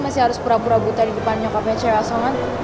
masih harus pura pura buta di depan nyokapnya cewe asongan